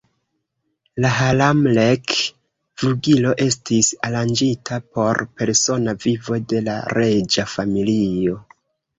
La "Haramlek"-flugilo estis aranĝita por persona vivo de la reĝa familio.